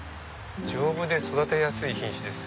「丈夫で育てやすい品種です。